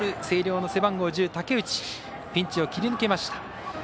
星稜の背番号１０、武内ピンチを切り抜けました。